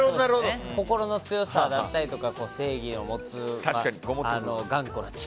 心の強さだったりとか正義の持つ頑固な力。